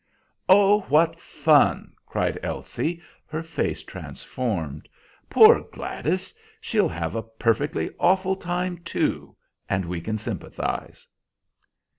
"Oh, what fun!" cried Elsie, her face transformed. "Poor Gladys! she'll have a perfectly awful time too, and we can sympathize."